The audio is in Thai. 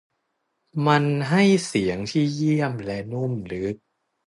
มันให้เสียงที่เยี่ยมและนุ่มลึก